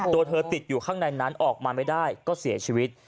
ตัวเธอติดอยู่ข้างในนั้นออกมาไม่ได้ก็เสียชีวิต